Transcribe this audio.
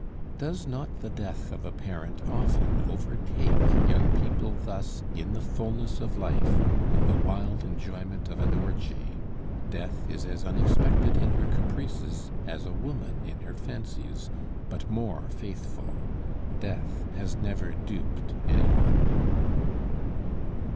Does not the death of a parent often overtake young people thus in the fulness of life, in the wild enjoyment of an orgy? Death is as unexpected in her caprices as a woman in her fancies, but more faithful Death has never duped any one.